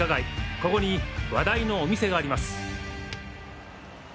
ここに話題のお店があります。